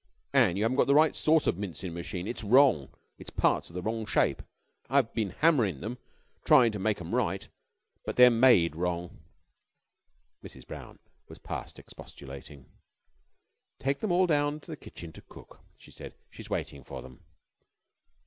"An' you haven't got a right sort of mincin' machine. It's wrong. Its parts are the wrong shape. I've been hammerin' them, tryin' to make them right, but they're made wrong." Mrs. Brown was past expostulating. "Take them all down to the kitchen to cook," she said. "She's waiting for them."